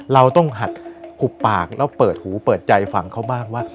เราต้องหัดหุบปากแล้วเปิดหูเปิดใจฝั่งเขาบ้างว่า